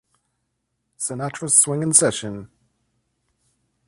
Sinatra's Swingin' Session!!!